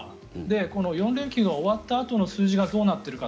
この４連休が終わったあとの数字がどうなっているか。